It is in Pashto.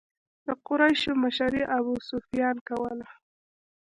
د قریشو مشري ابو سفیان کوله.